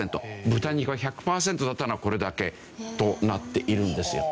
豚肉は１００パーセントだったのにこれだけとなっているんですよ。